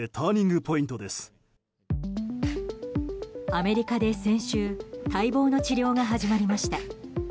アメリカで先週待望の治療が始まりました。